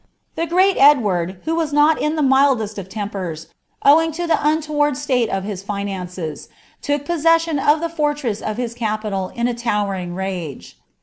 * The great Edward, who was not in the mildest of tempers, owing to the untoward state of his finances, took possession of the fortress of his capital in a towering vage.